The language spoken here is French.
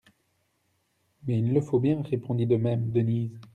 Mais il le faut bien, répondit de même Denise.